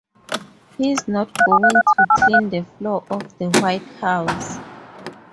He's not going to clean the floor of the White House.